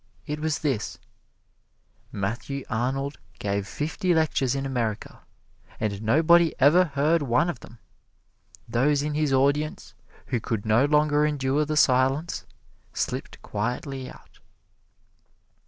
It was this: "Matthew Arnold gave fifty lectures in America, and nobody ever heard one of them; those in his audience who could no longer endure the silence slipped quietly out."